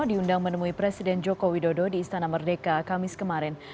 diundang menemui presiden joko widodo di istana merdeka kamis kemarin